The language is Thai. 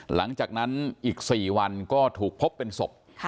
หลังจากนั้นอีก๔วันก็ถูกพบเป็นศพ